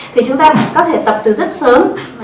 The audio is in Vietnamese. thì chúng ta có thể tập từ rất sớm